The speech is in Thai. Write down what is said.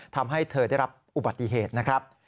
ทำให้เธอได้รับอุบัติเหตุนะครับ